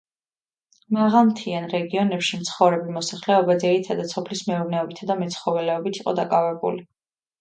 მაღალმთიან რეგიონებში მცხოვრები მოსახლეობა ძირითადად სოფლის მეურნეობითა და მეცხოველეობით იყო დაკავებული.